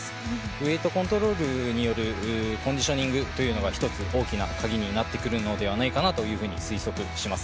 ウエーとンコントロールによるコンディションの調整が一つ、大きな鍵になってくるのではないかなと推測します。